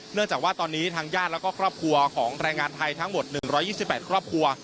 จากว่าตอนนี้ทางญาติแล้วก็ครอบครัวของแรงงานไทยทั้งหมด๑๒๘ครอบครัว